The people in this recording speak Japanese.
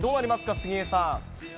杉江さん。